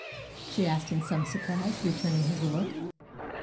she asked in some surprise, returning his look.